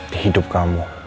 di hidup kamu